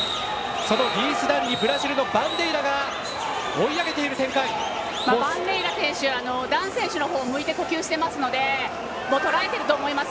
リース・ダンにブラジルのバンデイラがバンデイラ選手ダン選手のほうを向いて呼吸していますのでとらえていると思います。